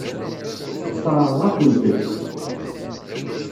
Sseṛɣeɣ-akent-tt.